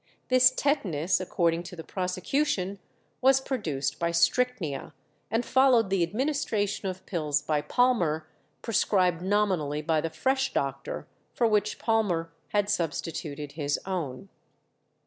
This tetanus, according to the prosecution, was produced by strychnia, and followed the administration of pills by Palmer prescribed nominally by the fresh doctor, for which Palmer had substituted his own.